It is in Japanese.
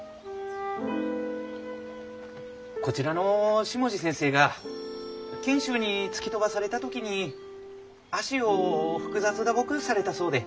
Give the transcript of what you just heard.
こちらの下地先生が賢秀に突き飛ばされた時に脚を複雑打撲されたそうで。